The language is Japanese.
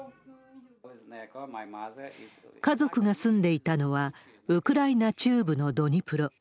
家族が住んでいたのはウクライナ中部のドニプロ。